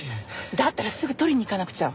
だったらすぐ取りに行かなくちゃ！